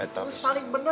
itu paling benar